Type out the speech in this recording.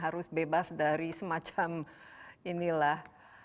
dan harus bebas dari semacam inilah